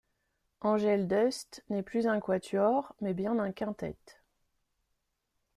Angel Dust n'est plus un quatuor, mais bien un quintet.